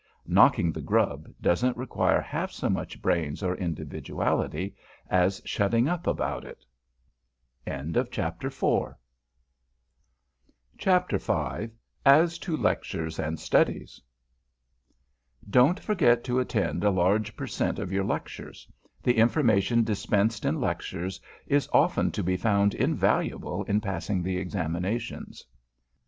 "Knocking the grub" doesn't require half so much brains or individuality as shutting up about it. AS TO LECTURES AND STUDIES [Sidenote: ATTENDANCE AT LECTURES] DON'T forget to attend a large per cent. of your lectures. The information dispensed in lectures is often to be found invaluable in passing the Examinations.